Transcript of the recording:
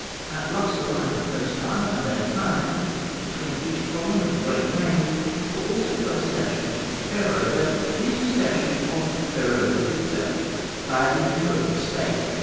At Luxor under the peristyle, and at Karnak between each column of the great nave, were also placed statues of Pharaoh; but these were statues of Pharaoh the victor, clad in his robe of state.